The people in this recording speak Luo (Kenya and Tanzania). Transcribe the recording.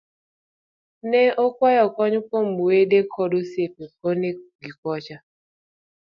Ne okwayo kony kuom wede koda osiepe koni gikocha